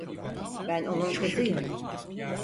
Ben onun kızıyım.